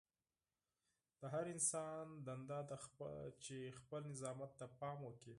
د هر انسان دنده ده چې خپل نظافت ته پام وکړي.